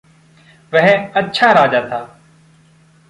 वह अच्छा राजा था।